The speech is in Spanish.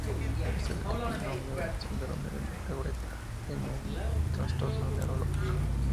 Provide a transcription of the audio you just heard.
Es el epónimo del síndrome de Tourette, un trastorno neurológico.